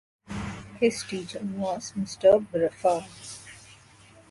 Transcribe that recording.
His teacher was a Mr. Brefhard.